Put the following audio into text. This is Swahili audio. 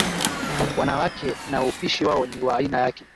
Wanawake na upishi wao ni wa aina yake